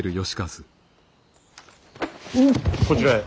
こちらへ。